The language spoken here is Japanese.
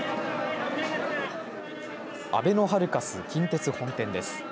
あべのハルカス近鉄本店です。